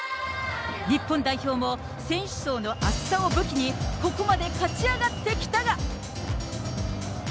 日本代表も選手層の厚さを武器に、ここまで勝ち上がってきたが。